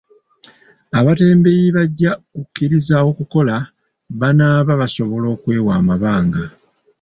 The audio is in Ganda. Abatembeeyi bajja kukkiriza okukola banaaba basobola okwewa amabanga.